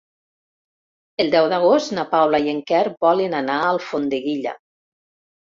El deu d'agost na Paula i en Quer volen anar a Alfondeguilla.